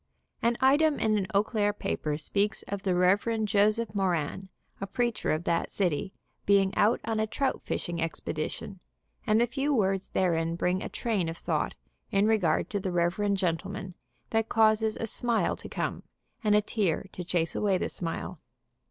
An item in an Eau Claire paper speaks of the Rev. Joseph Moran, a preacher of that city, being out on a trout fishing expedition, and the few words therein bring a train of thought in regard to the reverend gentleman that causes a smile to come, and a tear 146 THE CHAPLAIN AND THE BULL to chase away the smile.